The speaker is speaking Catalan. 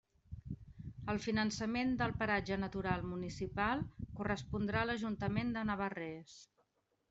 El finançament del paratge natural municipal correspondrà a l'Ajuntament de Navarrés.